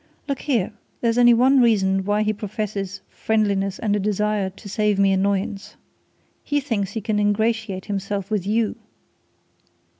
Look here! there's only one reason why he professes friendliness and a desire to save me annoyance. He thinks he can ingratiate himself with you!"